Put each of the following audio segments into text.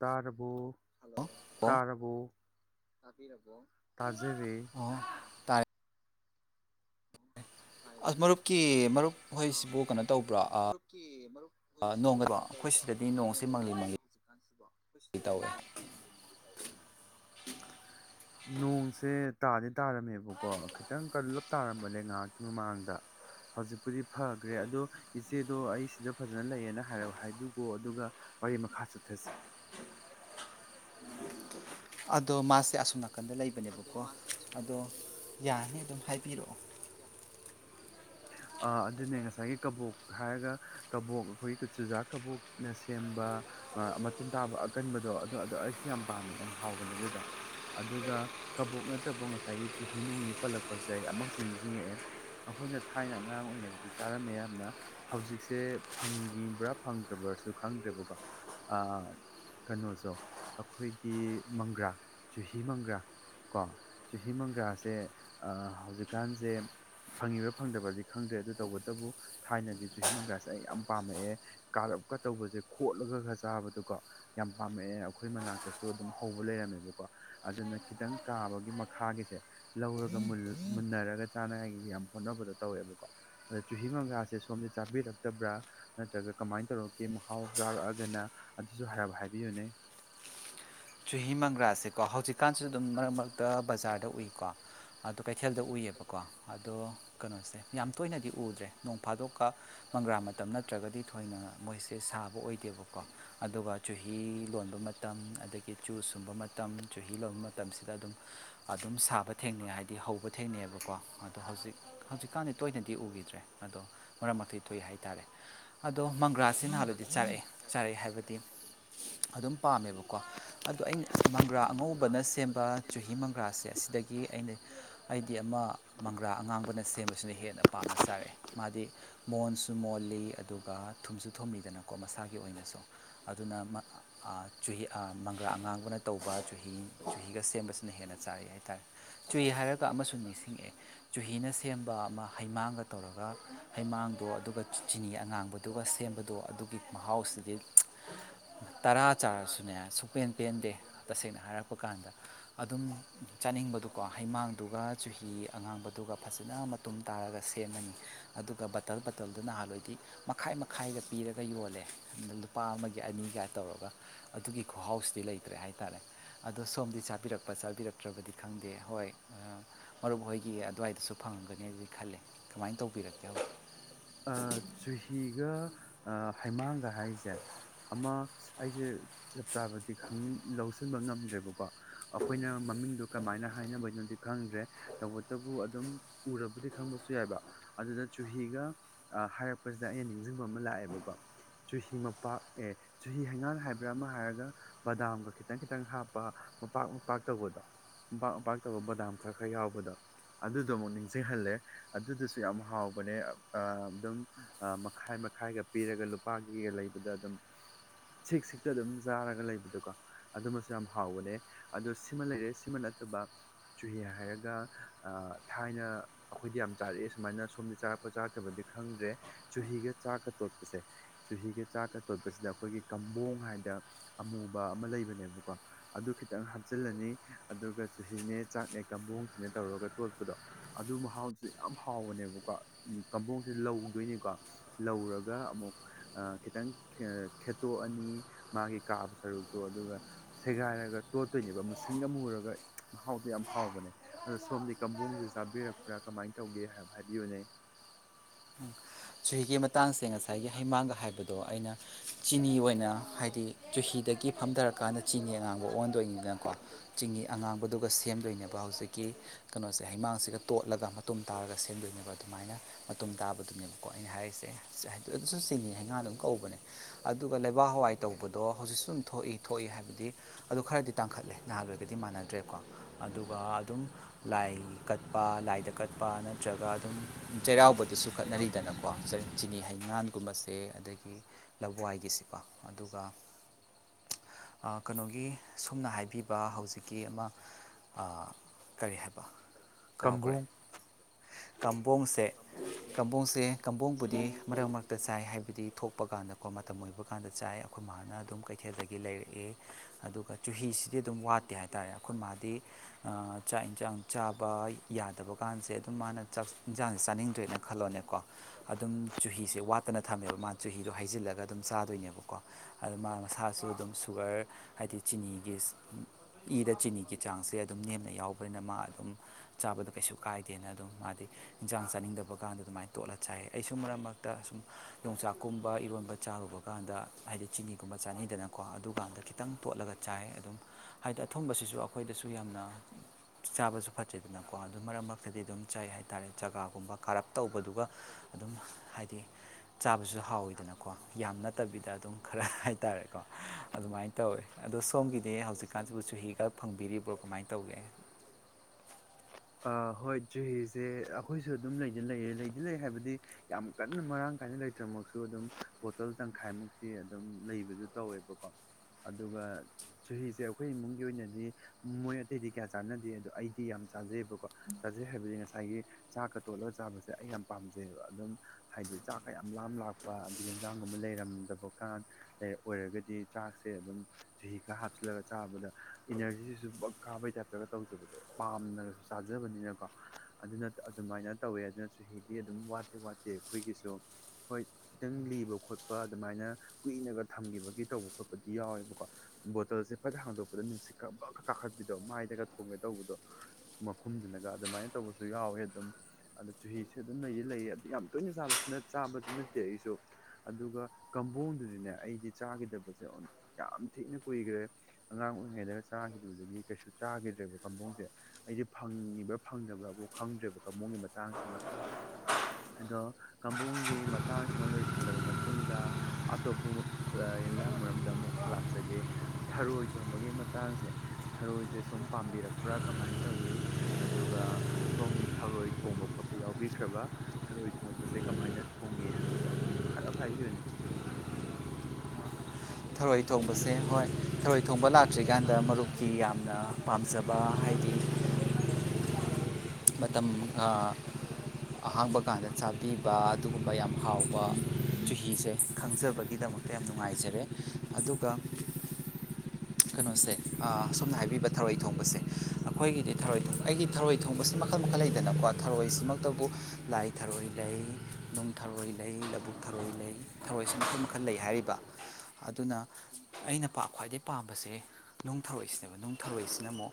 ꯇꯥꯔꯕꯨ hello ꯑꯣ ꯇꯔꯕꯣ ꯇꯥꯕꯤꯔꯕꯣ ꯇꯥꯖ ꯑꯣ ꯇꯥꯏꯔꯦ ꯇꯥꯔꯦ ꯑꯁ ꯃꯔꯨꯞꯀꯤ ꯃꯔꯨꯞ ꯑꯥ ꯍꯣꯏꯁꯤꯕꯨ ꯀꯩꯅꯣ ꯇꯧꯕ꯭ꯔꯣ ꯃꯔꯨꯞꯀꯤ ꯃꯔꯨꯞꯍꯣꯏꯁꯤꯕꯨ ꯅꯣꯡꯒꯗ꯭ꯔꯣ ꯀꯩꯅꯣ ꯑꯩꯈꯣꯏ ꯇꯧꯕ꯭ꯔꯣ ꯁꯤꯗꯗꯤ ꯅꯣꯡꯁꯦ ꯅꯣꯡꯒꯥ ꯃꯪꯂꯤ ꯇꯥꯕꯤꯕ꯭ꯔꯣ ꯃꯪꯂꯤ ꯍꯧꯖꯤꯛꯀꯟꯁꯤꯕꯨ ꯑꯩꯈꯣꯏ ꯁꯤꯗꯥꯗꯤ ꯇꯧꯋꯦ ꯅꯣꯡꯁꯦ ꯃꯪꯂꯤ ꯃꯥꯪꯂꯤ ꯇꯧꯋꯦ ꯅꯣꯡꯁꯦ ꯇꯥꯗꯤ ꯇꯥꯔꯝꯃꯦꯕꯀꯣ ꯈꯤꯇꯪ ꯀꯂꯞ ꯇꯥꯔꯝꯕ ꯂꯩ ꯉꯥꯏꯍꯥꯛ ꯃꯃꯥꯡꯗ ꯍꯧꯖꯤꯛꯄꯨꯗꯤ ꯐꯈ꯭ꯔꯦ ꯑꯗꯣ ꯏꯆꯦꯗꯣ ꯑꯩ ꯁꯤꯗ ꯐꯖ ꯐꯖꯅ ꯂꯩꯌꯦꯅ ꯍꯥꯏ ꯍꯥꯏꯕꯤꯈꯣ ꯑꯗꯨꯒ ꯋꯥꯔꯤ ꯃꯈꯥ ꯆꯠꯊꯁꯤ ꯑꯗꯣ ꯃꯥꯁꯦ ꯑꯁꯨꯝ ꯅ ꯅꯥꯀꯟꯗ ꯂꯩꯕꯅꯦꯕꯀꯣ ꯑꯗꯣ ꯌꯥꯅꯤ ꯑꯗꯨꯝ ꯍꯥꯏꯕꯤꯔꯛꯑꯣ ꯑ ꯑꯗꯨꯅꯦ ꯉꯁꯥꯏꯒꯤ ꯀꯕꯣꯛ ꯍꯥꯏꯔꯒ ꯀꯕꯣꯛ ꯑꯩꯈꯣꯏꯒꯤ ꯆꯨꯖꯥꯛ ꯀꯕꯣꯛꯅ ꯁꯦꯝꯕ ꯃꯇꯨꯝ ꯇꯥꯕ ꯑꯀꯟꯕꯗꯣ ꯑꯗꯨ ꯑꯗꯣ ꯑꯩꯁꯨ ꯌꯥꯝ ꯄꯥꯝꯃꯦ ꯌꯥꯝ ꯍꯥꯎꯕꯅꯦ ꯑꯗꯨꯗꯣ ꯑꯗꯨꯒ ꯀꯕꯣꯛ ꯅꯠꯇꯕ ꯉꯁꯥꯏꯒꯤ ꯆꯨꯍꯤ ꯅꯨꯡꯒꯤ ꯄꯜꯂꯛꯄꯁꯤꯗ ꯑꯩ ꯑꯃꯈꯛ ꯅꯤꯡꯁꯤꯡꯉꯛꯑꯦ ꯑꯩꯈꯣꯏꯅ ꯊꯥꯏꯅ ꯑꯉꯥꯡ ꯑꯣꯏꯔꯤꯉꯩꯗꯗꯤ ꯆꯥꯔꯝꯃꯦ ꯌꯥꯝꯅ ꯍꯧꯖꯤꯛꯁꯦ ꯐꯪꯏꯕ꯭ꯔꯥ ꯐꯪꯗ꯭ꯔꯕ꯭ꯔꯥꯁꯨ ꯈꯪꯗ꯭ꯔꯦꯕꯀꯣ ꯀꯩꯅꯣꯖꯣ ꯑꯩꯈꯣꯏꯒꯤ ꯃꯪꯒ꯭ꯔꯥ ꯆꯨꯍꯤ ꯃꯪꯒ꯭ꯔꯥ ꯀꯣ ꯆꯨꯍꯤ ꯃꯪꯒ꯭ꯔꯥꯁꯦ ꯍꯧꯖꯤꯛꯀꯥꯟꯁꯦ ꯐꯪꯉꯤꯕ ꯐꯪꯗꯕꯗꯤ ꯈꯪꯗ꯭ꯔꯦ ꯑꯗꯨ ꯇꯧꯕꯇꯕꯨ ꯊꯥꯏꯅꯗꯤ ꯆꯨꯍꯤ ꯃꯪꯒ꯭ꯔꯥꯁꯦ ꯑꯩ ꯌꯥꯝ ꯄꯥꯝꯃꯛꯑꯦ ꯀꯥꯔꯞꯀ ꯇꯧꯕꯁꯦ ꯈꯣꯠꯂꯒꯒ ꯆꯥꯕꯗꯣꯀꯣ ꯌꯥꯝ ꯄꯥꯝꯃꯛꯑꯦ ꯑꯩꯈꯣꯏ ꯃꯅꯥꯛꯇꯁꯨ ꯑꯗꯨꯝ ꯍꯧꯕ ꯂꯩꯔꯝꯃꯦꯕꯀꯣ ꯑꯗꯨꯅ ꯈꯤꯇꯪ ꯀꯥꯕꯒꯤ ꯃꯈꯥꯒꯤꯁꯦ ꯂꯧꯔꯒ ꯃꯨꯟꯅꯔꯒ ꯆꯥꯅꯉꯥꯏꯒꯤ ꯌꯥꯝ ꯍꯣꯠꯅꯕꯗꯣ ꯇꯧꯋꯦꯕꯀꯣ ꯑꯗꯣ ꯆꯨꯍꯤ ꯃꯪꯒꯥꯁꯦ ꯁꯣꯝꯗ ꯆꯥꯕꯤꯔꯛꯇꯕ꯭ꯔꯥ ꯅꯠꯇ꯭ꯔꯒ ꯀꯃꯥꯏꯅ ꯇꯧꯔꯒꯦ ꯃꯍꯥꯎ ꯆꯥꯔꯛꯑꯒꯅ ꯑꯗꯨꯁꯨ ꯍꯥꯏꯔꯞ ꯍꯥꯏꯕꯤꯌꯨꯅꯦ ꯆꯍꯤ ꯃꯪꯒ ꯃꯪꯒ꯭ꯔꯥꯁꯦꯀꯣ ꯍꯧꯖꯤꯛꯀꯥꯟꯁꯨ ꯑꯗꯨꯝ ꯃꯔꯛ ꯃꯔꯛꯇ ꯕꯖꯥꯔꯗ ꯎꯏꯀꯣ ꯑꯣ ꯀꯩꯊꯦꯜꯗ ꯎꯏꯌꯦꯕꯀꯣ ꯑꯗꯣ ꯀꯩꯅꯣꯁꯦ ꯌꯥꯝ ꯇꯣꯏꯅꯗꯤ ꯎꯗ꯭ꯔꯦ ꯅꯣꯡ ꯐꯥꯗꯣꯛꯀ ꯃꯪꯒ꯭ꯔꯥ ꯃꯇꯝ ꯅꯠꯇ꯭ꯔꯒꯗꯤ ꯊꯣꯏꯅ ꯃꯣꯏꯁꯦ ꯁꯥꯕ ꯑꯣꯏꯗꯦꯕꯀꯣ ꯑꯗꯨꯒ ꯆꯨꯍꯤ ꯂꯣꯟꯕ ꯃꯇꯝ ꯑꯗꯒꯤ ꯁꯨꯝꯕ ꯃꯇꯝ ꯆꯨꯍꯤ ꯂꯣꯟꯕ ꯃꯇꯝꯁꯤꯗ ꯑꯗꯨꯝ ꯑꯗꯨꯝ ꯁꯥꯕ ꯊꯦꯡꯅꯩ ꯍꯥꯏꯗꯤ ꯍꯧꯕ ꯊꯦꯡꯅꯩꯑꯕꯀꯣ ꯑꯗꯣ ꯍꯧꯖꯤꯛ ꯍꯧꯖꯤꯛꯀꯥꯟꯗꯤ ꯇꯣꯏꯅꯗꯤ ꯎꯈꯤꯗ꯭ꯔꯦ ꯑꯗꯣ ꯃꯔꯛ ꯃꯔꯛꯇꯤ ꯊꯣꯛꯏ ꯍꯥꯏ ꯇꯥꯔꯦ ꯑꯗꯣ ꯃꯪꯒ꯭ꯔꯥꯁꯤ ꯅꯍꯥꯟꯋꯥꯏꯗꯤ ꯆꯥꯔꯛꯑꯦ ꯆꯥꯔꯛꯑꯦ ꯍꯥꯏꯕꯗꯤ ꯑꯗꯨꯝ ꯄꯥꯝꯃꯦꯕꯀꯣ ꯑꯗꯣ ꯑꯩꯅ ꯃꯪꯒ꯭ꯔꯥ ꯑꯉꯧꯕꯅ ꯁꯦꯝꯕ ꯆꯨꯍꯤ ꯃꯪꯒ꯭ꯔꯥꯁꯦ ꯑꯁꯤꯗꯒꯤ ꯑꯩꯅ ꯑꯩꯗꯤ ꯑꯃ ꯃꯪꯒ꯭ꯔꯥ ꯑꯉꯥꯡꯕꯅ ꯁꯦꯝꯕꯁꯤꯅ ꯍꯦꯟꯅ ꯄꯥꯝꯅ ꯆꯥꯔꯛꯑꯦ ꯃꯥꯗꯤ ꯃꯣꯟꯁꯨ ꯃꯣꯜꯂꯤ ꯑꯗꯨꯒ ꯊꯨꯝꯁꯨ ꯊꯨꯝꯃꯤꯗꯅꯀꯣ ꯃꯁꯥꯒꯤ ꯑꯣꯏꯅꯁꯨ ꯑꯗꯨꯅ ꯃ ꯆꯨꯍꯤ ꯃꯪꯒ꯭ꯔꯥ ꯑꯉꯥꯡ ꯇꯧꯕꯅ ꯇꯧꯕ ꯆꯨꯍꯤ ꯆꯨꯍꯤꯒ ꯁꯦꯝꯕꯁꯤꯅ ꯍꯦꯟꯅ ꯆꯥꯔꯛꯑꯦ ꯍꯥꯏꯇꯥꯔꯦ ꯆꯨꯍꯤ ꯍꯥꯏꯔꯒ ꯑꯃꯁꯨ ꯅꯤꯡꯁꯤꯡꯉꯛꯑꯦ ꯆꯨꯍꯤꯅ ꯁꯦꯝꯕ ꯑꯃ ꯍꯩꯃꯥꯡꯒ ꯇꯧꯔꯒ ꯍꯩꯃꯥꯡꯗꯣ ꯑꯗꯨꯒ ꯆꯤꯅꯤ ꯑꯉꯥꯡꯕꯗꯨꯒ ꯁꯦꯝꯕꯗꯣ ꯑꯗꯨꯒꯤ ꯃꯍꯥꯎꯁꯤꯗꯤ ꯇꯔꯥ ꯆꯥꯔꯁꯨꯅꯦ ꯁꯨꯛ ꯈꯟꯗꯦ ꯇꯁꯦꯡꯅ ꯍꯥꯏꯔꯛꯄ ꯀꯥꯟꯗ ꯑꯗꯨꯝ ꯆꯥꯅꯤꯡꯕꯗꯨꯀꯣ ꯍꯩꯃꯥꯡꯗꯨꯒ ꯆꯨꯍꯤ ꯑꯉꯥꯡꯕꯗꯨꯒ ꯐꯖꯅ ꯃꯇꯨꯝ ꯇꯥꯔꯒ ꯁꯦꯝꯃꯅꯤ ꯑꯗꯨꯒ ꯕꯇꯜ ꯕꯇꯜꯗꯨ ꯅꯍꯥꯟꯋꯥꯏꯗꯤ ꯃꯈꯥꯏ ꯃꯈꯥꯏꯒ ꯄꯤꯔꯒ ꯌꯣꯜꯂꯦ ꯂꯨꯄꯥ ꯑꯃꯒꯤ ꯑꯅꯤꯒ ꯇꯧꯔꯒ ꯑꯗꯨꯒꯤ ꯈꯨꯍꯥꯎꯁꯤ ꯗꯤ ꯂꯩꯇ꯭ꯔꯦ ꯍꯥꯏꯇꯥꯥꯔꯦ ꯑꯗꯣ ꯁꯣꯝꯗꯤ ꯆꯥꯕꯤꯔꯛꯄ ꯆꯥꯕꯤꯔꯛꯇ꯭ꯔꯕꯗꯤ ꯈꯪꯗꯦ ꯍꯣꯏ ꯃꯔꯨꯞ ꯍꯣꯏꯒꯤ ꯑꯗꯨꯋꯥꯏꯗꯁꯨ ꯐꯪꯉꯝꯒꯅꯤꯅꯗꯤ ꯈꯜꯂꯦ ꯀꯃꯥꯏꯅ ꯇꯧꯕꯤꯔꯛꯀꯦ ꯍꯧꯖꯤꯛ ꯑ ꯆꯨꯍꯤꯒ ꯑ ꯍꯩꯃꯥꯡꯒ ꯍꯥꯏꯔꯤꯁꯦ ꯑꯃ ꯑꯩꯁꯦ ꯆꯞ ꯆꯥꯕꯗꯤ ꯈꯪ ꯂꯧꯁꯤꯟꯕ ꯉꯝꯗ꯭ꯔꯦꯕꯀꯣ ꯑꯩꯈꯣꯏꯅ ꯃꯃꯤꯡꯗꯨ ꯀꯃꯥꯏꯅ ꯍꯥꯏꯅꯕꯩꯅꯣꯗꯤ ꯈꯪꯗ꯭ꯔꯦ ꯇꯧꯕꯇꯕꯨ ꯑꯗꯨꯝ ꯎꯔꯕꯨꯗꯤ ꯈꯪꯕꯁꯨ ꯌꯥꯏꯕ ꯑꯗꯨꯗ ꯆꯨꯍꯤꯒ ꯍꯥꯏꯔꯛꯄꯁꯤꯗ ꯑꯩꯅ ꯅꯤꯡꯁꯤꯡꯕ ꯑꯃ ꯂꯥꯛꯑꯦꯕꯀꯣ ꯆꯨꯍꯤ ꯃꯄꯥꯛ ꯑꯦ ꯆꯨꯍꯤ ꯍꯩꯉꯥꯜ ꯍꯥꯏꯕ꯭ꯔꯥ ꯑꯃ ꯍꯥꯏꯔꯒ ꯕꯗꯥꯝꯒ ꯈꯤꯇꯪ ꯈꯤꯇꯪ ꯍꯥꯞꯄ ꯃꯄꯥꯛ ꯃꯄꯥꯛ ꯇꯧꯕꯗꯣ ꯃꯄꯥꯛ ꯃꯄꯥꯛ ꯇꯧꯕ ꯕꯗꯥꯝ ꯈꯔ ꯈꯔ ꯌꯥꯎꯕꯗꯣ ꯑꯗꯨꯗꯣ ꯑꯃꯨꯛ ꯅꯤꯡꯁꯤꯡꯍꯜꯂꯦ ꯑꯗꯨꯗꯨꯁꯨ ꯌꯥꯝ ꯍꯥꯎꯕꯅꯦ ꯑꯗꯨꯝ ꯃꯈꯥꯏ ꯃꯈꯥꯏꯒ ꯄꯤꯔꯒ ꯂꯨꯄꯥꯒꯤꯒ ꯂꯩꯕꯗ ꯑꯗꯨꯝ ꯁꯤꯛ ꯁꯤꯛꯇ ꯑꯗꯨꯝ ꯆꯥꯔꯒ ꯂꯩꯕꯗꯣ ꯑꯗꯨꯒ ꯑꯗꯨꯃꯁꯨ ꯌꯥꯝ ꯍꯥꯎꯕꯅꯦ ꯑꯗꯣ ꯁꯤꯃ ꯂꯩꯔꯦ ꯁꯤꯃ ꯅꯠꯇꯕ ꯆꯨꯍꯤ ꯍꯥꯏꯔꯒ ꯊꯥꯏꯅ ꯑꯩꯈꯣꯏꯗꯤ ꯌꯥꯝ ꯆꯥꯔꯛꯑꯦ ꯁꯨꯃꯥꯏꯅ ꯁꯣꯝꯗ ꯆꯥꯔꯛꯄ ꯆꯥꯔꯛꯇꯕꯗꯤ ꯈꯪꯗ꯭ꯔꯦ ꯆꯨꯍꯤꯒ ꯆꯥꯛꯀ ꯇꯣꯠꯄꯁꯦ ꯆꯨꯍꯤꯒ ꯆꯥꯛꯀ ꯇꯣꯠꯄꯁꯤꯗ ꯑꯩꯈꯣꯏꯒꯤ ꯀꯝꯕꯣꯡ ꯍꯥꯏꯗꯅ ꯑꯃꯨ ꯑꯃ ꯂꯩꯕꯅꯦꯕꯀꯣ ꯑꯗꯨ ꯈꯤꯇꯪ ꯍꯥꯞꯆꯤꯜꯂꯅꯤ ꯑꯗꯨꯒ ꯆꯨꯍꯤꯅꯦ ꯆꯥꯛꯅꯦ ꯀꯝꯕꯣꯡꯁꯤꯅꯦ ꯇꯧꯔꯒ ꯇꯣꯠꯄꯗꯣ ꯑꯗꯨ ꯃꯍꯥꯎꯁꯨ ꯌꯥꯝ ꯍꯥꯎꯕꯅꯦꯕꯀꯣ ꯀꯝꯕꯣꯡꯁꯦ ꯂꯧꯗꯣꯏꯅꯤꯀꯣ ꯂꯧꯔꯒ ꯑꯃꯨꯛ ꯈꯤꯇꯪ ꯈꯦꯠꯇꯣꯛꯑꯅꯤ ꯃꯥꯒꯤ ꯀꯥꯕ ꯁꯔꯨꯛ ꯑꯗꯣ ꯑꯗꯨꯒ ꯁꯦꯒꯥꯏꯔꯒ ꯇꯣꯠꯇꯣꯏꯅꯦꯕ ꯃꯨꯁꯤꯟꯒ ꯃꯨꯔꯒ ꯃꯍꯥꯎꯗꯣ ꯌꯥꯝ ꯍꯥꯎꯕꯅꯦ ꯑꯗꯣ ꯁꯣꯝꯗꯤ ꯀꯝꯕꯣꯡꯁꯦ ꯆꯥꯕꯤꯔꯛꯄ꯭ꯔꯥ ꯀꯃꯥꯏꯅ ꯇꯧꯒꯦ ꯍꯥꯏꯕ ꯍꯥꯏꯕꯤꯌꯨꯅꯦ ꯎꯝ ꯆꯨꯍꯤꯒꯤ ꯃꯇꯥ [unintelligible] ꯃꯇꯥꯡꯁꯦ ꯉꯁꯥꯏꯒꯤ ꯍꯩꯃꯥꯡꯒ ꯍꯥꯏꯕꯗꯣ ꯑꯩꯅ ꯆꯤꯅꯤ ꯑꯣꯏꯅ ꯍꯥꯏꯗꯤ ꯆꯨꯍꯤꯗꯒꯤ ꯐꯝꯊꯔꯀꯥꯟꯗ ꯆꯤꯅꯤ ꯑꯉꯥꯡꯕ ꯑꯣꯟꯗꯣꯏꯅꯤꯅꯀꯣ ꯆꯤꯅꯤ ꯑꯉꯥꯡꯕꯗꯨꯒ ꯁꯦꯝꯗꯣꯏꯅꯦꯕ ꯍꯧꯖꯤꯛꯀꯤ ꯀꯩꯅꯣꯁꯦ ꯍꯩꯃꯥꯡꯁꯤꯒ ꯇꯣꯠꯂꯒ ꯃꯇꯨꯝ ꯇꯥꯔꯒ ꯁꯦꯝꯗꯣꯏꯅꯦꯕ ꯑꯗꯨꯃꯥꯏꯅ ꯃꯇꯨꯝ ꯇꯥꯕꯗꯨꯅꯦꯕꯀꯣ ꯑꯩꯅ ꯍꯥꯏꯔꯤꯁꯦ ꯁꯦ ꯑꯗꯨꯁꯨ ꯆꯤꯡꯉꯤ ꯍꯩꯉꯥꯟ ꯑꯗꯨꯝ ꯀꯧꯕꯅꯦ ꯑꯗꯨꯒ ꯂꯩꯕꯥꯛ ꯍꯋꯥꯏ ꯇꯧꯕꯗꯣ ꯍꯧꯖꯤꯛꯁꯨ ꯑꯗꯨꯝ ꯊꯣꯛꯏ ꯊꯣꯛꯏ ꯍꯥꯏꯕꯗꯤ ꯑꯗꯨ ꯈꯔꯗꯤ ꯇꯥꯡꯈꯠꯂꯦ ꯅꯍꯥꯜꯋꯥꯏꯒꯗꯤ ꯃꯥꯟꯅꯗ꯭ꯔꯦꯀꯣ ꯑꯗꯨꯒ ꯑꯗꯨꯝ ꯂꯥꯏ ꯀꯠꯄ ꯂꯥꯏꯗ ꯀꯠꯄ ꯅꯠꯇ꯭ꯔꯒ ꯑꯗꯨꯝ ꯆꯩꯔꯥꯎꯕ ꯁꯨ ꯀꯠꯅꯔꯤꯗꯅꯀꯣ ꯆꯤꯅꯤ ꯍꯩꯉꯥꯟꯒꯨꯝꯕꯁꯦ ꯑꯗꯒꯤ ꯂꯋꯥꯏꯒꯤꯁꯤꯀꯣ ꯑꯗꯨꯒ ꯑ ꯀꯩꯅꯣꯒꯤ ꯁꯨꯝꯅ ꯍꯥꯏꯕꯤꯕ ꯍꯧꯖꯤꯛꯀꯤ ꯑꯃ ꯀꯔꯤ ꯍꯥꯏꯕ ꯀꯥꯎꯒ꯭ꯔꯦ ꯀꯝꯕꯣꯡ ꯀꯝꯕꯣꯡꯁꯦ ꯀꯝꯕꯣꯡꯁꯦ ꯀꯝꯕꯣꯡꯕꯨꯗꯤ ꯃꯔꯛ ꯃꯔꯛꯇ ꯆꯥꯏ ꯍꯥꯏꯕꯗꯤ ꯊꯣꯛꯄ ꯀꯥꯟꯗꯀꯣ ꯃꯇꯝ ꯑꯣꯏꯕ ꯀꯥꯟꯗ ꯆꯥꯏ ꯑꯩꯈꯣꯏ ꯃꯥꯅ ꯑꯗꯨꯝ ꯀꯩꯊꯦꯜꯗꯒꯤ ꯂꯩꯔꯛꯑꯦ ꯑꯗꯨꯒ ꯆꯨꯍꯤꯁꯤꯗꯤ ꯑꯗꯨꯝ ꯋꯥꯠꯇꯦ ꯍꯥꯏ ꯇꯥꯔꯦ ꯑꯩꯈꯣꯏ ꯃꯥꯗꯤ ꯆꯥꯛ ꯏꯟꯁꯥꯡ ꯆꯥꯕ ꯌꯥꯗꯕ ꯀꯥꯟꯁꯦ ꯑꯗꯨꯝ ꯃꯥꯅꯥ ꯆꯥꯛ ꯏꯟꯖꯥꯡ ꯆꯥꯅꯤꯡ ꯇꯣꯏꯅ ꯈꯜꯂꯣꯅꯦꯀꯣ ꯑꯗꯨꯝ ꯆꯨꯍꯤꯁꯦ ꯋꯥꯠꯇꯅ ꯊꯝꯃꯦꯕ ꯃꯥ ꯆꯨꯍꯤꯗꯣ ꯍꯩꯖꯤꯜꯂꯒ ꯑꯗꯨꯝ ꯆꯥꯗꯣꯏꯅꯦꯕꯀꯣ ꯑꯗꯨꯗ ꯃꯥ ꯃꯁꯥꯁꯨ ꯑꯗꯨꯝ ꯁꯨꯒꯔ ꯍꯥꯏꯗꯤ ꯆꯤꯅꯤꯒꯤ ꯏꯗ ꯆꯤꯅꯤꯒꯤ ꯆꯥꯡꯁꯦ ꯑꯗꯨꯝ ꯅꯦꯝꯅ ꯌꯥꯎꯕꯅꯤꯅ ꯃꯥ ꯑꯗꯨꯝ ꯆꯥꯕꯗ ꯀꯩꯁꯨ ꯀꯥꯏꯗꯦꯅ ꯑꯗꯨꯝ ꯃꯥꯗꯤ ꯏꯟꯖꯥꯡ ꯆꯥꯅꯤꯡꯗꯕ ꯀꯥꯟꯗ ꯑꯗꯨꯃꯥꯏꯅ ꯇꯣꯠꯂꯒ ꯆꯥꯏ ꯑꯩꯁꯨ ꯃꯔꯛ ꯃꯔꯛꯇ ꯁꯨꯝ ꯌꯣꯡꯆꯥꯛꯀꯨꯝꯕ ꯏꯔꯣꯟꯕ ꯆꯥꯔꯨꯕ ꯀꯥꯟꯗ ꯍꯥꯏꯗꯤ ꯆꯤꯅꯤꯒꯨꯝꯕ ꯆꯥꯅꯩꯗꯅꯀꯣ ꯑꯗꯨ ꯀꯥꯟꯗ ꯈꯤꯇꯪ ꯇꯣꯠꯂꯒ ꯆꯥꯏ ꯑꯗꯨꯝ ꯍꯥꯏꯗꯤ ꯑꯊꯨꯝꯕꯁꯤꯁꯨ ꯑꯩꯈꯣꯏꯗꯁꯨ ꯌꯥꯝꯅ ꯆꯥꯕꯁꯨ ꯐꯠꯇꯦꯗꯅꯀꯣ ꯑꯗꯨ ꯃꯔꯛ ꯃꯔꯛꯇꯗꯤ ꯑꯗꯨꯝ ꯆꯥꯏ ꯍꯥꯏꯇꯥꯔꯦ ꯆꯒꯥꯒꯨꯝ ꯀꯥꯔꯞ ꯇꯧꯕꯗꯨꯒ ꯑꯗꯨꯝ ꯍꯥꯏꯗꯤ ꯆꯥꯕꯁꯨ ꯍꯥꯎꯋꯤꯗꯅꯀꯣ ꯌꯥꯝ ꯅꯠꯇꯕꯤꯗ ꯑꯗꯨꯝ ꯈꯔ ꯍꯥꯏꯇꯥꯔꯦꯀꯣ ꯑꯗꯨꯃꯥꯏꯅ ꯇꯧꯋꯦ ꯑꯗꯣ ꯁꯣꯝꯒꯤꯗꯤ ꯍꯧꯖꯤꯛꯀꯥꯟꯁꯤꯕꯨ ꯆꯨꯍꯤ ꯈꯔ ꯐꯪꯕꯤꯔꯤꯕ꯭ꯔꯣ ꯀꯃꯥꯏꯅ ꯇꯧꯒꯦ ꯆꯨꯍꯤꯁꯦ ꯑꯩꯈꯣꯏꯁꯨ ꯑꯗꯨꯝ ꯂꯩꯗꯤ ꯂꯩꯌꯦ ꯂꯩꯗꯤꯅ ꯂꯩ ꯍꯥꯏꯕꯗꯤ ꯌꯥꯝ ꯀꯟꯅ ꯃꯔꯥꯡ ꯀꯥꯏꯅ ꯂꯩꯇ꯭ꯔꯃꯛꯁꯨ ꯑꯗꯨꯝ ꯕꯣꯇꯜ ꯇꯪꯈꯥꯏꯃꯨꯛꯇꯤ ꯑꯗꯨꯝ ꯂꯩꯕꯗꯨ ꯇꯧꯋꯦꯕꯀꯣ ꯑꯗꯨꯒ ꯆꯨꯍꯤꯁꯦ ꯑꯩꯈꯣꯏ ꯏꯃꯨꯡꯒꯤ ꯑꯣꯏꯅꯗꯤ ꯃꯣꯏ ꯑꯇꯩꯗꯤ ꯀꯌꯥ ꯆꯥꯟꯅꯗꯦ ꯑꯗꯣ ꯑꯩꯗꯤ ꯌꯥꯝ ꯆꯥꯖꯩꯌꯦꯕꯀꯣ ꯆꯥꯖꯩ ꯍꯥꯏꯕꯗꯤ ꯉꯁꯥꯏꯒꯤ ꯆꯥꯛꯀ ꯇꯣꯠꯂꯒ ꯆꯥꯕꯁꯦ ꯑꯩ ꯌꯥꯝ ꯄꯥꯝꯖꯩꯌꯦꯕ ꯑꯗꯨꯝ ꯍꯥꯏꯗꯤ ꯆꯥꯛꯀ ꯌꯥꯝ ꯂꯥꯝ ꯂꯥꯛꯄ ꯑꯗꯒꯤ ꯌꯦꯟꯖꯥꯡꯒꯨꯝꯕ ꯂꯩꯔꯝꯗꯕꯀꯥꯟ ꯂꯩꯔꯛ ꯑꯣꯏꯔꯒꯗꯤ ꯆꯥꯛꯁꯦ ꯑꯗꯨꯝ ꯆꯨꯍꯤ ꯈꯔ ꯍꯥꯞꯆꯤꯜꯂꯒ ꯆꯥꯕꯗ ꯏꯅꯔꯖꯤꯁꯤꯁꯨ ꯕꯛ ꯀꯥꯕꯩ ꯇꯥꯏꯞꯇꯒ ꯇꯧꯖꯕꯗꯣ ꯄꯥꯝꯅꯔꯁꯨ ꯆꯥꯖꯕꯅꯤꯅꯀꯣ ꯑꯗꯨꯅ ꯑꯗꯨꯃꯥꯏꯅ ꯇꯧꯋꯦ ꯑꯗꯨꯅ ꯆꯨꯍꯤꯗꯤ ꯑꯗꯨꯝ ꯋꯥꯠꯇꯤ ꯋꯥꯠꯇꯦ ꯑꯩꯈꯣꯏꯒꯤꯁꯨ ꯍꯣꯏ ꯈꯤꯇꯪ ꯂꯤꯕ ꯈꯣꯠꯄ ꯑꯗꯨꯃꯥꯏꯅ ꯀꯨꯏꯅꯒ ꯊꯝꯈꯤꯕꯒꯤ ꯇꯧꯕ ꯈꯣꯠꯄꯗꯤ ꯌꯥꯎꯋꯦꯕꯀꯣ ꯕꯣꯇꯜꯁꯦ ꯐꯠ ꯍꯥꯡꯗꯣꯛꯄꯗ ꯅꯨꯡꯁꯤꯠꯀ ꯕꯛꯀ ꯀꯥꯈꯠꯄꯤꯗꯣ ꯃꯥꯏꯗꯒ ꯊꯣꯝꯒꯦ ꯇꯧꯕꯗꯣ ꯃꯈꯨꯝꯗꯨꯅꯒ ꯑꯗꯨꯃꯥꯏꯅ ꯇꯧꯕꯁꯨ ꯌꯥꯎꯋꯦ ꯑꯗꯨꯝ ꯑ ꯆꯨꯍꯤꯁꯦ ꯑꯗꯨꯝ ꯂꯩꯗꯤ ꯂꯩꯌꯦ ꯑꯗꯨ ꯌꯥꯝ ꯇꯣꯏꯅ ꯆꯥꯕꯁꯨ ꯆꯥꯕꯗꯤ ꯅꯠꯇꯦ ꯑꯩꯁꯨ ꯑꯗꯨꯒ ꯀꯝꯕꯣꯡꯗꯨꯗꯤꯅꯦ ꯑꯩꯗꯤ ꯆꯥꯈꯤꯗꯕꯁꯦ ꯑꯣꯟ ꯌꯥꯝ ꯊꯤꯅ ꯀꯨꯏꯈ꯭ꯔꯦ ꯑꯉꯥꯡ ꯑꯣꯏꯔꯤꯉꯩꯗ ꯆꯥꯈꯤꯕꯗꯨꯗꯒꯤ ꯀꯩꯁꯨ ꯆꯥꯈꯤꯗ꯭ꯔꯦꯕ ꯀꯝꯕꯣꯡꯁꯦ ꯑꯩꯗꯤ ꯐꯪꯉꯤꯕ꯭ꯔꯥ ꯐꯪꯗꯕ꯭ꯔꯥꯐꯥꯎ ꯈꯪꯗ꯭ꯔꯦꯕ ꯀꯝꯕꯣꯡꯒꯤ ꯃꯇꯥꯡꯁꯤꯃ ꯑꯗꯣ ꯀꯝꯕꯣꯡꯒꯤ ꯃꯇꯥꯡꯁꯤꯃ ꯂꯣꯏꯁꯤꯜꯂꯕ ꯃꯇꯨꯡꯗ ꯑꯇꯣꯞꯄ ꯌꯦꯟꯁꯥꯡ ꯃꯔꯝꯗ ꯑꯃꯨꯛ ꯂꯥꯛꯆꯒꯦ ꯊꯔꯣꯏ ꯊꯣꯡꯕꯒꯤ ꯃꯇꯥꯡꯁꯦ ꯊꯔꯣꯏꯁꯦ ꯁꯣꯝ ꯄꯥꯝꯕꯤꯔꯛꯄ꯭ꯔꯥ ꯀꯃꯥꯏꯅ ꯇꯧꯏ ꯑꯗꯨꯒ ꯁꯣꯝ ꯊꯔꯣꯏ ꯊꯣꯡꯕ ꯈꯣꯠꯄ ꯌꯥꯎꯕꯤꯈ꯭ꯔꯕ ꯊꯔꯣꯏ ꯊꯣꯡꯕꯁꯦ ꯀꯃꯥꯏꯅ ꯊꯣꯡꯉꯦ ꯍꯥꯏꯕꯗꯣ ꯑꯗꯨ ꯈꯔ ꯍꯥꯏꯔꯞ ꯍꯥꯏꯕꯤꯌꯨꯅꯦ ꯊꯔꯣꯏ ꯊꯣꯡꯕꯁꯦ ꯍꯣꯏ ꯊꯔꯣꯏ ꯊꯣꯡꯕ ꯂꯥꯛꯇ꯭ꯔꯤꯀꯥꯟꯗ ꯃꯔꯨꯞꯀꯤ ꯌꯥꯝꯅ ꯄꯥꯝꯖꯕ ꯍꯥꯏꯗꯤ ꯃꯇꯝ ꯑꯍꯥꯡꯕ ꯀꯥꯟꯗ ꯆꯥꯕꯤꯕ ꯑꯗꯨꯒꯨꯝꯕ ꯌꯥꯝ ꯍꯥꯎꯕ ꯆꯨꯍꯤꯁꯦ ꯈꯪꯖꯕꯒꯤꯗꯃꯛꯇ ꯌꯥꯝ ꯅꯨꯡꯉꯥꯏꯖꯔꯦ ꯑꯗꯨ ꯑꯗꯨꯒ ꯀꯩꯅꯣꯁꯦ ꯁꯣꯝꯅ ꯍꯥꯏꯕꯤꯕ ꯊꯔꯣꯏ ꯊꯣꯡꯕꯁꯦ ꯑꯩꯈꯣꯏꯒꯤꯗꯤ ꯊꯔꯣꯏ ꯑꯩꯒꯤ ꯊꯔꯣꯏ ꯊꯣꯡꯕꯁꯤꯃ ꯃꯈꯜ ꯃꯈꯜ ꯂꯩꯗꯅꯀꯣ ꯊꯔꯣꯏꯁꯤꯃꯛꯇꯕꯨ ꯂꯥꯏ ꯊꯔꯣꯏ ꯂꯩ ꯅꯨꯡ ꯊꯔꯣꯏ ꯂꯩ ꯂꯧꯕꯨꯛ ꯊꯔꯣꯏ ꯂꯩ ꯊꯔꯣꯏꯁꯤ ꯃꯈꯜ ꯃꯈꯜ ꯂꯩ ꯍꯥꯏꯔꯤꯕ ꯑꯗꯨꯅ ꯑꯩꯅ ꯄꯥ ꯈ꯭ꯋꯥꯏꯗꯩ ꯄꯥꯝꯕꯁꯦ ꯅꯨꯡꯊꯔꯣꯏꯁꯤꯅꯦꯕ ꯅꯨꯡꯊꯔꯣꯏꯁꯤꯅ ꯑꯃꯨꯛ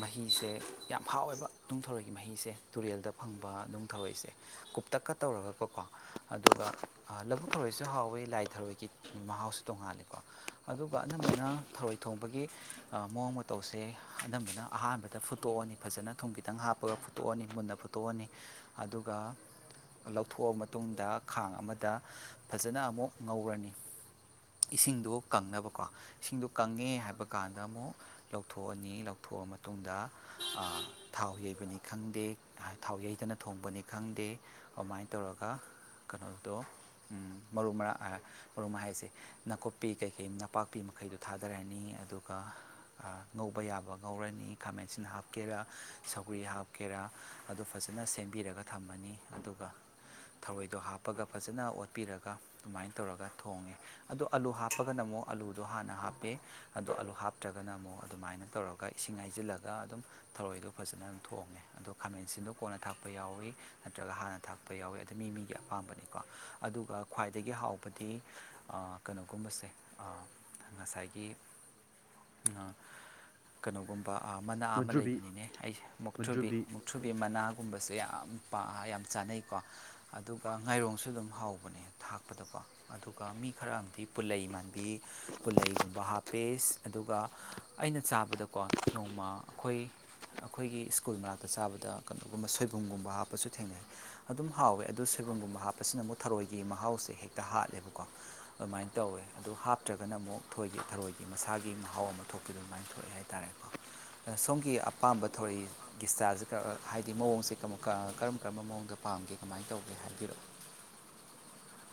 ꯃꯍꯤꯁꯦ ꯌꯥꯝ ꯍꯥꯎꯋꯦꯕ ꯅꯨꯡꯊꯔꯣꯏ ꯒꯤ ꯃꯍꯤꯁꯦ ꯇꯨꯔꯦꯜꯗ ꯐꯪꯕ ꯅꯨꯡ ꯊꯔꯣꯏꯁꯦ ꯀꯨꯞꯇꯛꯀ ꯇꯧꯔꯒꯀꯣꯀꯣ ꯑꯗꯨꯒ ꯂꯕꯨꯛ ꯊꯔꯣꯏꯁꯨ ꯍꯥꯎꯋꯤ ꯂꯥꯏ ꯊꯔꯣꯏꯒꯤ ꯃꯍꯥꯎꯁꯨ ꯇꯣꯡꯉꯥꯂꯦꯀꯣ ꯑꯗꯨꯒ ꯑꯅꯝꯕꯅ ꯊꯔꯣꯏ ꯊꯣꯡꯕꯒꯤ ꯃꯑꯣꯡ ꯃꯇꯧꯁꯦ ꯑꯅꯝꯕꯅ ꯑꯍꯥꯟꯕꯗ ꯐꯨꯠꯇꯣꯛꯑꯅꯤ ꯐꯖꯅ ꯊꯨꯝꯈꯤꯇꯪ ꯍꯥꯞꯄ ꯐꯨꯠꯇꯣꯛꯑꯅꯤ ꯃꯨꯟꯅ ꯐꯨꯠꯇꯣꯛꯑꯅꯤ ꯑꯗꯨꯒ ꯂꯧꯊꯣꯛꯑ ꯃꯇꯨꯡꯗ ꯈꯥꯡ ꯑꯃꯗ ꯐꯖꯅ ꯑꯃꯨꯛ ꯉꯧꯔꯅꯤ ꯏꯁꯤꯡ ꯀꯪꯅꯕꯀꯣ ꯏꯁꯤꯡꯗꯣ ꯀꯪꯉꯦ ꯍꯥꯏꯕ ꯀꯥꯟꯗ ꯑꯃꯨꯛ ꯂꯧꯊꯣꯛꯑꯅꯤ ꯂꯧꯊꯣꯛꯑ ꯃꯇꯨꯡꯗ ꯊꯥꯎ ꯌꯩꯕꯅꯤ ꯈꯪꯗꯦ ꯊꯥꯎ ꯌꯩꯗꯅ ꯊꯣꯡꯕꯅꯤ ꯈꯪꯗꯦ ꯑꯗꯨꯃꯥꯏꯅ ꯇꯧꯔꯒ ꯀꯩꯅꯣꯗꯣ ꯃꯔꯨ ꯃꯔ ꯃꯔꯨꯝ ꯃꯔ ꯍꯥꯏꯁꯦ ꯅꯥꯀꯨꯞ ꯅꯄꯥꯛꯄꯤ ꯃꯈꯩꯗꯣ ꯊꯥꯗꯔꯅꯤ ꯑꯗꯨꯒ ꯑꯥ ꯉꯧꯕ ꯌꯥꯕ ꯉꯧꯔꯅꯤ ꯈꯥꯃꯦꯟ ꯑꯁꯤꯟ ꯍꯥꯞꯀꯦꯔꯥ ꯁꯧꯒꯔꯤ ꯍꯥꯞ ꯀꯦꯔꯥ ꯑꯗꯨ ꯐꯖꯅ ꯁꯦꯝꯕꯤꯔꯒ ꯊꯝꯃꯅꯤ ꯑꯗꯨꯒ ꯊꯔꯣꯏꯗꯣ ꯍꯥꯞ ꯍꯥꯞꯄꯒ ꯐꯖꯅ ꯑꯣꯠꯄꯤꯔꯒ ꯑꯗꯨꯃꯥꯏꯅ ꯇꯧꯔꯒ ꯊꯣꯡꯉꯦ ꯑꯗꯣ ꯑꯂꯨ ꯍꯥꯞꯄꯒꯅ ꯑꯃꯨꯛ ꯑꯂꯨꯗꯣ ꯍꯥꯟꯅ ꯍꯥꯞꯄꯦ ꯑꯗꯣ ꯑꯂꯨ ꯍꯥꯞꯇ꯭ꯔꯒꯅ ꯑꯃꯨꯛ ꯑꯗꯨꯃꯥꯏꯅ ꯇꯧꯔꯒ ꯏꯁꯤꯡ ꯍꯥꯏꯁꯤꯜꯂꯒ ꯑꯗꯨꯝ ꯊꯔꯣꯏꯗꯣ ꯐꯖꯅ ꯑꯗꯨꯝ ꯊꯣꯡꯉꯦ ꯈꯥꯃꯦꯟꯁꯤꯟꯗꯣ ꯀꯣꯟꯅ ꯊꯥꯛꯄ ꯌꯥꯎꯏ ꯅꯠꯇ꯭ꯔꯒ ꯍꯥꯟꯅ ꯊꯥꯛꯄ ꯌꯥꯎꯏ ꯑꯗꯨ ꯃꯤ ꯃꯤꯒꯤ ꯑꯄꯥꯝꯕꯅꯤꯀꯣ ꯑꯗꯨꯒ ꯈ꯭ꯋꯥꯏꯗꯒꯤ ꯍꯥꯎꯕꯗꯤ ꯑꯥ ꯀꯩꯅꯣꯒꯨꯝꯕꯁꯦ ꯑꯥ ꯉꯁꯥꯏꯒꯤ ꯀꯩꯅꯣꯒꯨꯝꯕ ꯑ ꯃꯅꯥ ꯑꯃ ꯂꯩꯕꯅꯤꯅꯦ ꯑꯩꯁꯦ ꯃꯨꯛ ꯊ꯭ꯔꯨꯕꯤ ꯃꯨꯛꯊ꯭ꯔꯨꯕꯤ ꯃꯅꯥꯒꯨꯝꯕꯁꯦ ꯌꯥꯝ ꯄꯥ ꯌꯥꯝ ꯌꯥꯝ ꯆꯥꯅꯩꯀꯣ ꯑꯗꯨꯒ ꯉꯥꯏꯔꯣꯡ ꯁꯨ ꯑꯗꯨꯝ ꯍꯥꯎꯕꯅꯦ ꯊꯥꯛ ꯍꯥꯞꯄꯗꯀꯣ ꯑꯗꯨꯒ ꯃꯤ ꯈꯔ ꯑꯃꯗꯤ ꯄꯨꯂꯩ ꯃꯥꯟꯕꯤ ꯄꯨꯂꯩꯒꯨꯝꯕ ꯍꯥꯞꯄꯦ ꯑꯗꯨꯒ ꯑꯩꯅ ꯆꯥꯕꯗꯀꯣ ꯅꯣꯡꯃ ꯑꯩꯈꯣꯏ ꯑꯩꯈꯣꯏꯒꯤ ꯁ꯭ꯀꯨꯜ ꯃꯅꯥꯛꯇ ꯗ ꯆꯥꯕꯗ ꯀꯩꯅꯣꯒꯨꯝꯕ ꯁꯣꯏꯕꯨꯝꯒꯨꯝꯕ ꯍꯥꯞꯄꯁꯨ ꯊꯦꯡꯅꯩ ꯑꯗꯨꯝ ꯍꯥꯎꯋꯦ ꯑꯗꯨ ꯑꯗꯨ ꯁꯣꯏꯕꯨꯝꯒꯨꯝꯕ ꯍꯥꯞꯄꯁꯤꯅ ꯑꯃꯨꯛ ꯊꯔꯣꯏꯒꯤ ꯃꯍꯥꯎꯁꯦ ꯍꯦꯛꯇ ꯍꯥꯠꯂꯦꯕꯀꯣ ꯑꯗꯨꯃꯥꯏꯅ ꯇꯧꯋꯦ ꯑꯗꯨ ꯍꯥꯞꯇ꯭ꯔꯒꯅ ꯑꯃꯨꯛ ꯊꯔꯣꯏꯒꯤ ꯊꯔꯣꯏꯒꯤ ꯃꯁꯥꯒꯤ ꯃꯍꯥꯎ ꯑꯃ ꯊꯣꯛꯄꯤꯗꯣ ꯑꯗꯨꯃꯥꯏꯅ ꯊꯣꯛꯑꯦ ꯍꯥꯏꯇꯥꯔꯦꯀꯣ ꯑ ꯁꯣꯝꯒꯤ ꯑꯄꯥꯝꯕ ꯊꯥꯔꯣꯏ ꯁ꯭ꯇꯥꯏꯜꯁꯦꯔ ꯍꯥꯏꯗꯤ ꯃꯑꯣꯡꯁꯦ ꯀꯔꯝ ꯀꯔꯝꯕ ꯃꯑꯣꯡꯗ ꯄꯥꯝꯒꯦ ꯀꯃꯥꯏꯅ ꯇꯧꯒꯦ ꯍꯥꯏꯕꯤꯔꯛꯑꯣ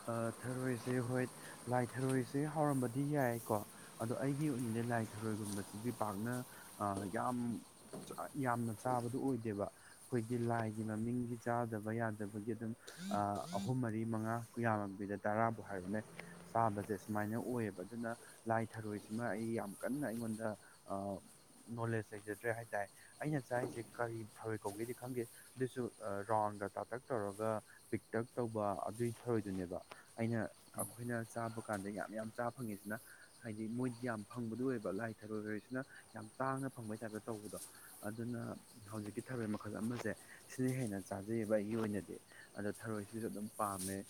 ꯑ ꯊꯔꯣꯏꯁꯦ ꯍꯣꯏ ꯂꯥꯏ ꯊꯔꯣꯏꯁꯦ ꯍꯥꯎꯔꯝꯕꯗꯤ ꯌꯥꯏꯀꯣ ꯑꯗꯣ ꯑꯩꯒꯤ ꯑꯣꯏꯅꯗꯤ ꯂꯥꯏ ꯊꯔꯣꯏꯒꯨꯝꯕꯁꯤꯗꯤ ꯄꯥꯛꯅ ꯌꯥꯝ ꯌꯥꯝꯅ ꯆꯥꯕꯗꯨ ꯑꯣꯏꯗꯦꯕ ꯑꯩꯈꯣꯏꯒꯤ ꯂꯥꯏꯒꯤ ꯃꯃꯤꯡꯒꯤ ꯆꯥꯗꯕ ꯌꯥꯗꯕꯒꯤ ꯑꯗꯨꯝ ꯑ ꯑꯍꯨꯝ ꯃꯔꯤ ꯃꯉꯥ ꯀꯨꯌꯥꯃꯕꯤꯗ ꯇꯔꯥꯕꯨ ꯍꯥꯏꯔꯣꯅꯦ ꯆꯥꯕꯁꯦ ꯁꯨꯃꯥꯏꯅ ꯑꯣꯏꯌꯦꯕ ꯑꯗꯨꯅ ꯂꯥꯏ ꯊꯔꯣꯏꯁꯤꯃ ꯑꯩ ꯌꯥꯝ ꯀꯟꯅ ꯑꯩꯉꯣꯟꯗ ꯅꯣꯂꯦꯖ ꯂꯩꯖꯗ꯭ꯔꯦ ꯍꯥꯏ ꯇꯔꯦ ꯑꯩꯅ ꯆꯥꯔꯤꯁꯦ ꯀꯔꯤ ꯊꯔꯣꯏ ꯀꯧꯒꯦꯗꯤ ꯈꯪꯗꯦ ꯑꯗꯨꯏꯁꯨ ꯔꯥꯎꯟꯒ ꯇꯥꯇꯛ ꯇꯧꯔꯒ ꯄꯤꯛꯇꯛ ꯇꯧꯕ ꯑꯗꯨꯒꯤ ꯊꯔꯣꯏꯗꯨꯅꯦꯕ ꯑꯩꯅ ꯑꯩꯈꯣꯏꯅ ꯆꯥꯕ ꯀꯥꯟꯗ ꯌꯥꯝ ꯌꯥꯝ ꯆꯥꯕ ꯐꯪꯉꯤꯁꯤꯅ ꯍꯥꯏꯗꯤ ꯃꯣꯏꯗꯤ ꯌꯥꯝ ꯐꯪꯕꯗꯨ ꯑꯣꯏꯕ ꯂꯥꯏ ꯊꯔꯣꯏ ꯑꯣꯏꯁꯤꯅ ꯌꯥꯝ ꯇꯥꯡꯅ ꯐꯪꯕꯩ ꯇꯥꯏꯞꯇ ꯇꯧꯕꯗꯣ ꯑꯗꯨꯅ ꯍꯧꯖꯤꯛꯀꯤ ꯊꯔꯣꯏ ꯃꯈꯜ ꯑꯃꯁꯦ ꯁꯤꯅ ꯍꯦꯟꯅ ꯆꯥꯖꯩꯌꯦꯕ ꯑꯩꯒꯤ ꯑꯣꯏꯅꯗꯤ ꯑꯗꯣ ꯊꯔꯣꯏꯁꯤꯁꯨ ꯑꯗꯨꯝ ꯄꯥꯝꯃꯦ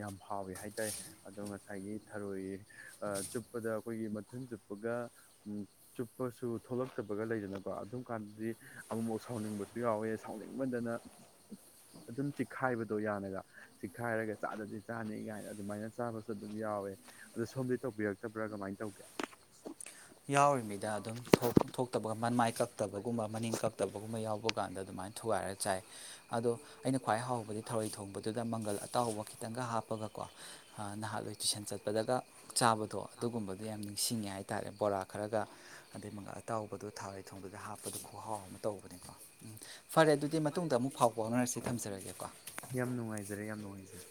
ꯌꯥꯝ ꯍꯥꯎꯋꯦ ꯍꯥꯏꯇꯥꯔꯦ ꯑꯗꯣ ꯉꯁꯥꯏꯒꯤ ꯊꯔꯣꯏ ꯆꯨꯞꯄꯗ ꯑꯩꯈꯣꯏꯒꯤ ꯃꯊꯨꯟ ꯆꯨꯞꯄꯒ ꯆꯨꯞꯄꯁꯨ ꯊꯣꯛꯂꯛꯇꯕꯒ ꯂꯩꯗꯅꯀꯣ ꯑꯗꯨꯝ ꯀꯥꯟꯗꯗꯤ ꯑꯃꯨꯛꯃꯨꯛ ꯁꯥꯎꯅꯤꯡꯕꯁꯨ ꯌꯥꯎꯋꯦ ꯁꯥꯎꯅꯤꯡꯃꯟꯗꯅ ꯑꯗꯨꯝ ꯈꯥꯏꯕꯗꯣ ꯌꯥꯅꯒ ꯆꯤꯈꯥꯏꯔꯒ ꯆꯥꯗꯗꯤ ꯆꯥꯅꯤ ꯀꯥꯏꯅ ꯑꯗꯨꯃꯥꯏꯅ ꯆꯥꯕꯁꯨ ꯑꯗꯨꯝ ꯌꯥꯎꯋꯦ ꯑꯗꯣ ꯁꯣꯝꯗꯤ ꯇꯧꯕꯤꯔꯛꯇꯕ꯭ꯔꯥ ꯀꯃꯥꯏꯅ ꯇꯧꯒꯦ ꯌꯥꯎꯔꯤꯃꯤꯗ ꯑꯗꯨꯝ ꯊꯣꯛꯇꯕ ꯃꯟꯃꯥꯏ ꯀꯛꯇꯕꯒꯨꯝꯕ ꯃꯅꯤꯡ ꯀꯛꯇꯕꯒꯨꯝꯕ ꯌꯥꯎꯕ ꯀꯥꯟꯗ ꯑꯗꯨꯃꯥꯏꯅ ꯊꯨꯒꯥꯏꯔꯒ ꯆꯥꯏ ꯑꯗꯣ ꯑꯩꯅ ꯈ꯭ꯋꯥꯏ ꯈꯋꯥꯏ ꯍꯥꯎꯕꯗꯤ ꯊꯧꯔꯣꯏ ꯊꯣꯡꯕꯗꯨꯗ ꯃꯪꯒꯜ ꯑꯇꯥꯎꯕ ꯈꯤꯇꯪꯒ ꯍꯥꯞꯄꯒꯀꯣ ꯅꯍꯥꯟꯋꯥꯏ ꯇꯨꯏꯁꯟ ꯆꯠꯄꯗꯒ ꯆꯥꯕꯗꯣ ꯑꯗꯨꯒꯨꯝꯕꯗꯣ ꯌꯥꯝ ꯅꯤꯡꯁꯤꯡꯉꯦ ꯍꯥꯏꯇꯥꯔꯦ ꯊꯥꯈꯔꯒ ꯑꯗꯩ ꯃꯒꯟ ꯑꯇꯥꯎꯕꯗꯣ ꯊꯥꯔꯣꯏ ꯊꯣꯡꯕꯗꯨꯗ ꯍꯥꯞꯄꯗꯣ ꯈꯨꯍꯥꯎ ꯑꯃ ꯇꯧꯕꯅꯤꯀꯣ ꯎꯝ ꯐꯔꯦ ꯑꯗꯨꯗꯤ ꯃꯇꯨꯡꯗ ꯑꯃꯨꯛ ꯐꯥꯎ ꯐꯥꯎꯅꯔꯁꯤꯗ ꯌꯥꯝ ꯅꯨꯡꯉꯥꯏꯖꯔꯦ ꯌꯥꯝ ꯅꯨꯡꯉꯥꯏꯖꯔꯦ